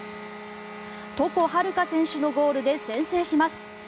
床秦留可選手のゴールで先制します。